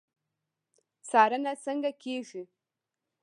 څارنه څنګه کیږي؟